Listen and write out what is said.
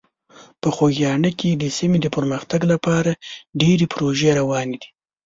په خوږیاڼي کې د سیمې د پرمختګ لپاره ډېرې پروژې روانې دي.